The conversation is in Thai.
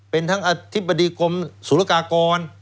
เป็นทั้งอธิบดีกรมศุลกากร